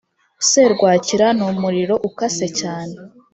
Serwakira numuriro ukase cyane